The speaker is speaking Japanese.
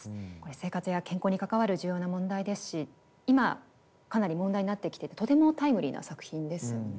生活や健康に関わる重要な問題ですし今かなり問題になってきてるとてもタイムリーな作品ですよね。